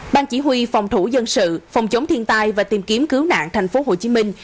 ban chỉ huy phòng thủ dân sự phòng chống thiên tai và tìm kiếm cứu nạn thành phố hồ chí minh